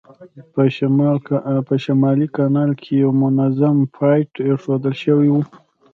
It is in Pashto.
په شمالي کانال کې یو منظم پایپ اېښودل شوی و.